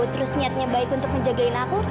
terus niatnya baik untuk menjagain aku